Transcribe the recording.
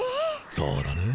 そうだねえ。